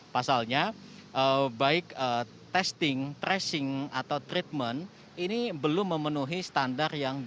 pasalnya baik testing tracing atau treatment ini belum memenuhi standar yang